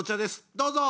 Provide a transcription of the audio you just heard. どうぞ！